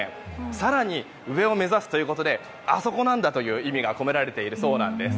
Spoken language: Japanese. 更に上を目指すということであそこなんだ！という意味が込められているそうなんです。